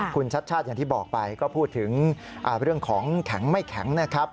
คุณชัดชาติอย่างที่บอกไปก็พูดถึงเรื่องของแข็งไม่แข็งนะครับ